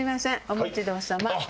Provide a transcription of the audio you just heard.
お待ちどおさま。